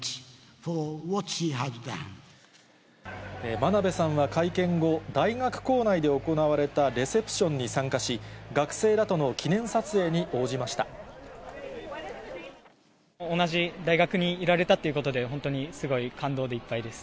真鍋さんは会見後、大学構内で行われたレセプションに参加し、同じ大学にいられたということで、本当にすごい、感動でいっぱいです。